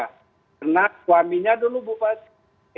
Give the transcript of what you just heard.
karena suaminya dulu bupati